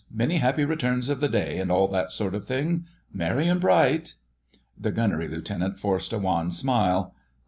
Many happy returns of the day, and all that sort of thing. Merry and bright?" The Gunnery Lieutenant forced a wan smile.